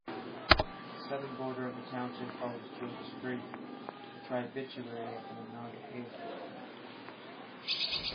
The southern border of the township follows Georges Creek, a tributary of the Monongahela.